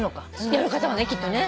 やる方はねきっとね。